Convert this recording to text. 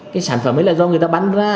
cái sản phẩm ấy là do người ta bán ra